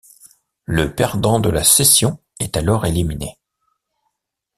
Le perdant de la session est alors éliminé.